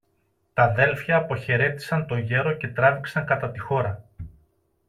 Τ' αδέλφια αποχαιρέτησαν το γέρο και τράβηξαν κατά τη χώρα.